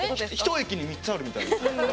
１駅に３つあるみたいな。